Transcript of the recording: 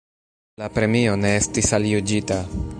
La premio ne estis aljuĝita.